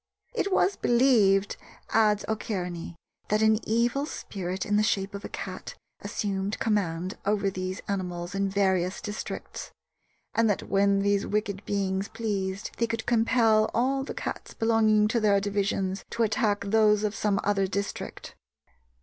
"It was believed," adds O'Kearney, "that an evil spirit in the shape of a cat assumed command over these animals in various districts, and that when those wicked beings pleased they could compel all the cats belonging to their division to attack those of some other district.